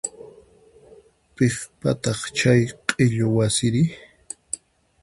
Piqpataq chay q'illu wasiri?